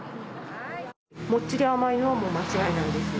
もっちり甘いのはもう間違いないですね。